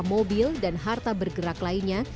mobil dan harta bergerak lainnya